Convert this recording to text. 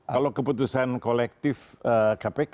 kalau keputusan kolektif kpk